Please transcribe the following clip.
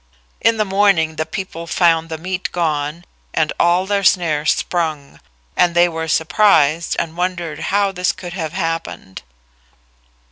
In the morning the people found the meat gone and all their snares sprung, and they were surprised and wondered how this could have happened.